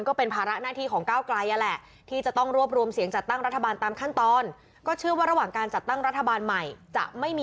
คุณวิศนุษย์เครื่องรางรองนายอินรัฐมนตรี